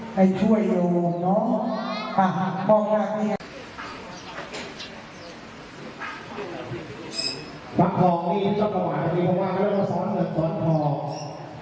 บังคลองที่เจ้าตะวายพอดีเพราะว่าไม่รู้ว่าซ้อนเหมือนซ้อนพอ